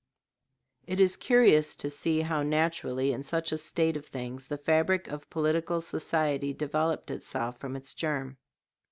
] It is curious to see how naturally in such a state of things the fabric of political society developed itself from its germ.